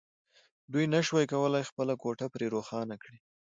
دوی نشوای کولای خپله کوټه پرې روښانه کړي